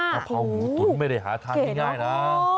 กะเพราหมูตุ๋นไม่ได้หาทานง่ายนะ